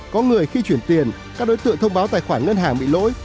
có người khi chuyển tiền các đối tượng thông báo tài khoản ngân hàng bị lỗi